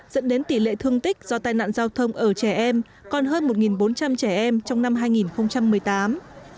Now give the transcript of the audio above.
dẫn đến tỷ lệ thương tích do tai nạn giao thông ở trẻ em còn hơn một bốn trăm linh trẻ em trong năm hai nghìn một mươi tám